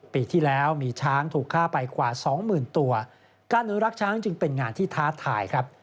ปีที่แล้วมีช้างถูกฆ่าไปกว่าสองหมื่นตัวการอนุรักษ์ช้างจึงเป็นงานที่ท้าทายครับ